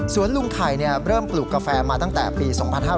ลุงไข่เริ่มปลูกกาแฟมาตั้งแต่ปี๒๕๕๙